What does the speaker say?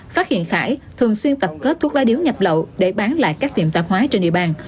phát hiện khải thường xuyên tập kết thuốc lá điếu nhập lậu để bán lại các tiệm tạp hóa trên địa bàn